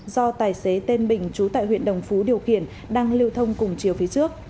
do tài xế tên bình trú tại huyện đồng phú điều kiện đang liêu thông cùng chiều phía trước